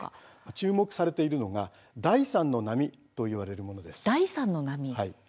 注目されているのは第三の波といわれているものです。